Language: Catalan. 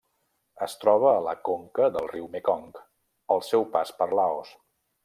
Es troba a la conca del riu Mekong al seu pas per Laos.